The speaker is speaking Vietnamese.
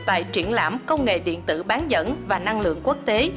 tại triển lãm công nghệ điện tử bán dẫn và năng lượng quốc tế